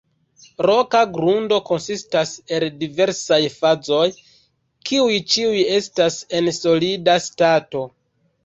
Roka grundo konsistas el diversaj fazoj, kiuj ĉiuj estas en solida stato.